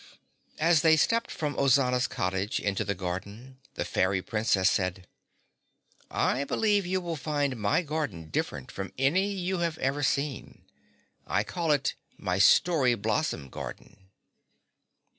As they stepped from Ozana's cottage into the garden, the Fairy Princess said, "I believe you will find my garden different from any you have ever seen. I call it my Story Blossom Garden."